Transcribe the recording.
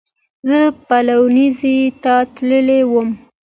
زه پلورنځۍ ته تللې وم